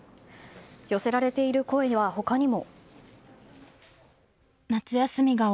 寄せられている声は他にも。